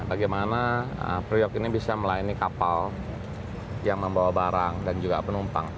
bagaimana priok ini bisa melayani kapal yang membawa barang dan juga penumpang